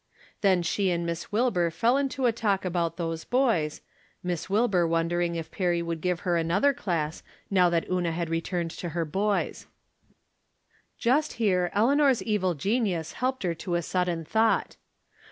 Then she and Miss Wilbur fell into a talk about those boys. Miss Wilbur wondering if Perry would give her another class, now that Una had returned to her boys. Just here Eleanor's evil genius helped her to a sudden thought.